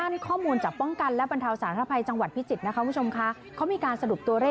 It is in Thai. มีข้อมูลจากป้องกันและบรรทาวศาลภัยจังหวัดพิจิตย์นะเพราะชมคะเขามีการสรุปตัว